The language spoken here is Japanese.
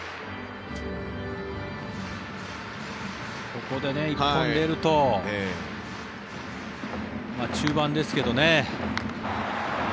ここで１本出ると中盤ですけどね。